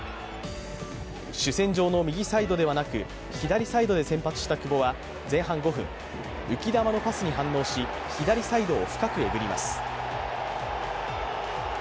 主戦場の右サイドではなく左サイドで先発した久保は前半５分、浮き球のパスに反応し左サイドを深くえぐります。